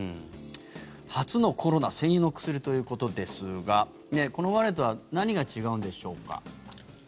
初のコロナ専用の薬ということですがこれまでとは何が違うんでしょうか。